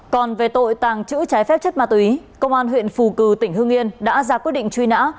còn về tội tàng trữ trái phép chất ma túy công an huyện phù cử tỉnh hưng yên đã ra quyết định truy nã